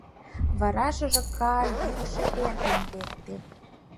Вара шыжака йӱкшӧ эркын лекте: